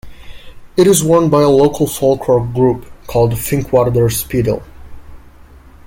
It is worn by a local folklore group called Finkwarder Speeldeel.